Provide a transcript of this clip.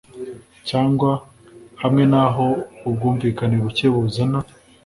Cyangwa hamwe nabo ubwumvikane buke buzana